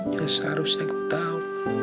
ya seharusnya aku tahu